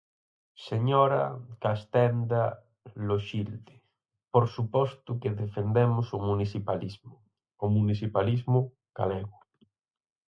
Señora Castenda Loxilde, por suposto que defendemos o municipalismo, o municipalismo galego.